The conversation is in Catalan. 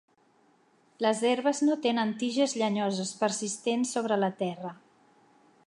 Les herbes no tenen tiges llenyoses persistents sobre la terra.